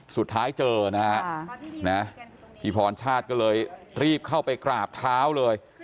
สุดท้ายเจอนะฮะพี่พรชาติก็เลยรีบเข้าไปกราบเท้าเลย